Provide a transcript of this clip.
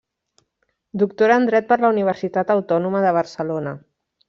Doctora en Dret per la Universitat Autònoma de Barcelona.